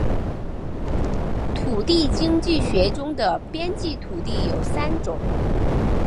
土地经济学中的边际土地有三种